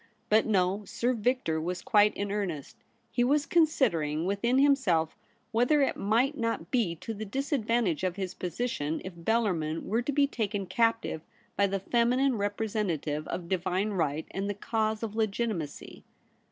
But no ; Sir Victor was quite in earnest. He was considering within himself whether it might not be to the disadvantage of his position if Bellarmin were to be taken captive by the feminine representative of Divine right and the cause of legitimacy.